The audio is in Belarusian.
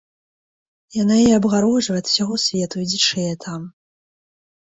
Яна яе абгароджвае ад усяго свету і дзічэе там.